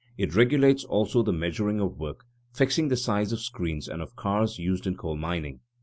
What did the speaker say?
It regulates also the measuring of work, fixing the size of screens and of cars used in coal mining.